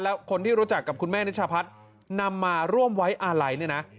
แล้วคนที่รู้จักกับคุณแม่นิชาพัฒน์นำมาร่วมไว้อาลัยเนี่ยนะ